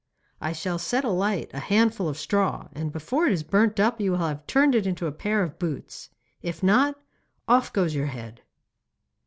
I shall set alight a handful of straw, and before it is burnt up you will have turned it into a pair of boots. If not, off goes your head.